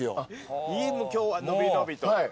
今日は伸び伸びと。